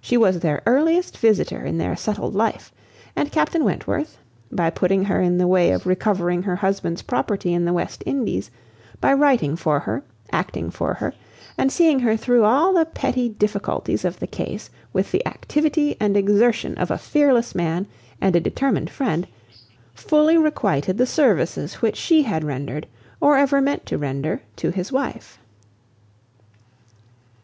She was their earliest visitor in their settled life; and Captain Wentworth, by putting her in the way of recovering her husband's property in the West Indies, by writing for her, acting for her, and seeing her through all the petty difficulties of the case with the activity and exertion of a fearless man and a determined friend, fully requited the services which she had rendered, or ever meant to render, to his wife.